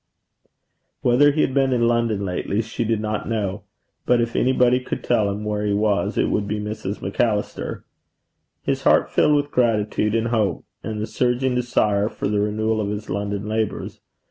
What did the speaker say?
Whether he had been in London lately, she did not know; but if anybody could tell him where he was, it would be Mrs. Macallister. His heart filled with gratitude and hope and the surging desire for the renewal of his London labours.